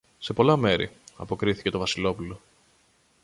Σε πολλά μέρη, αποκρίθηκε το Βασιλόπουλο.